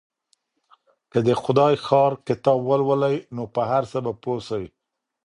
که د خدای ښار کتاب ولولئ نو په هر څه به پوه سئ.